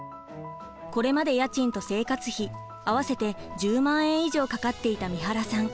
これまで家賃と生活費合わせて１０万円以上かかっていた三原さん。